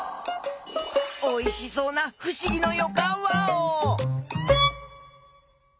おいしそうなふしぎのよかんワオ！